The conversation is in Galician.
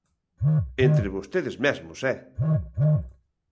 Entre vostedes mesmos, ¡eh!